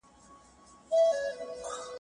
ښځه حق لري چې د خپلو کورنیو سره مرسته وکړي.